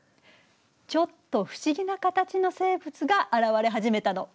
ちょっと不思議な形の生物が現れ始めたの。